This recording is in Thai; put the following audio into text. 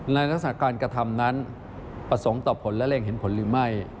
ลักษณะการกระทำนั้นประสงค์ต่อผลและเร็งเห็นผลหรือไม่